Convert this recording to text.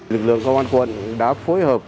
lực lượng công an quân đã phối hợp